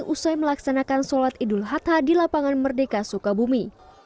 usai melaksanakan sholat idul adha di lapangan merdeka sukabumi